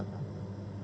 terima kasih pak kumpul